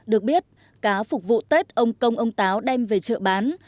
được biết cá phục vụ tết ông công ông táo đem về chợ bán